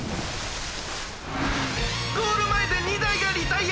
「ゴールまえで２だいがリタイア！